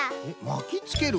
まきつける？